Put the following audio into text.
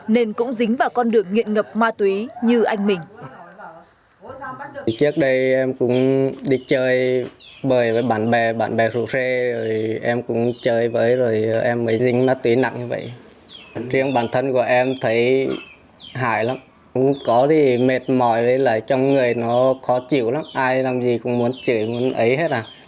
nên cũng dính vào con đường nghiện ngập ma túy như anh mình